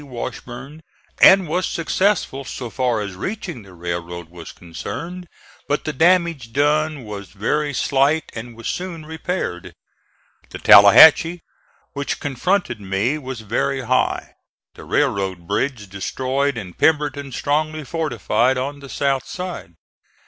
Washburn and was successful so far as reaching the railroad was concerned, but the damage done was very slight and was soon repaired. The Tallahatchie, which confronted me, was very high, the railroad bridge destroyed and Pemberton strongly fortified on the south side.